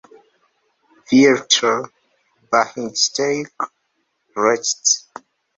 Vierter Bahnsteig, rechts!